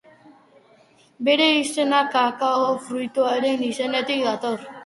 Bere izena Kakao fruituaren izenetik dator.